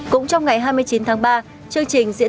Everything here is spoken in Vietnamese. cũng trong ngày hai mươi chín tháng ba